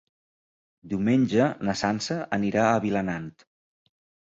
Diumenge na Sança anirà a Vilanant.